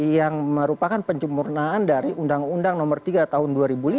yang merupakan pencumpurnaan dari undang undang nomor tiga tahun dua ribu lima